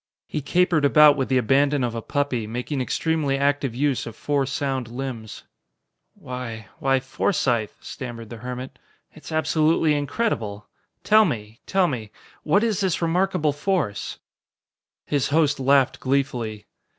He capered about with the abandon of a puppy, making extremely active use of four sound limbs. "Why why, Forsythe," stammered the hermit, "it's absolutely incredible. Tell me tell me what is this remarkable force?" His host laughed gleefully.